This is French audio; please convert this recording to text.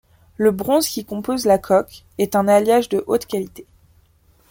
Le bronze qui compose la coque est un alliage de haute qualité.